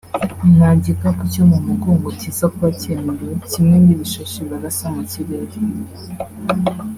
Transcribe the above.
nta gikapu cyo mu mugongo kiza kuba cyemewe kimwe n’ibishashi barasa mu kirere